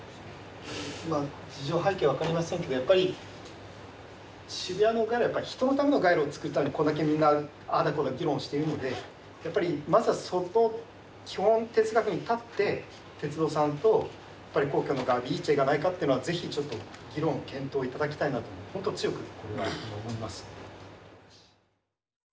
事情背景は分かりませんけどやっぱり渋谷の街路はやっぱり人のための街路をつくるためにこれだけみんなああだこうだ議論しているのでやっぱりまずはそこ基本哲学に立って鉄道さんと公共の側でいい知恵がないかっていうのはぜひちょっと議論を検討頂きたいなとほんと強く思います。